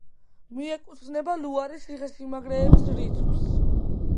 მიეკუთვნება ლუარის ციხესიმაგრეების რიცხვს.